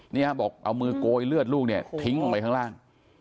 เนี่ยบอกเอามือโกยเลือดลูกเนี่ยทิ้งลงไปข้างล่าง